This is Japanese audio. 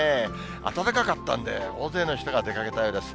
暖かかったんで、大勢の人が出かけたようです。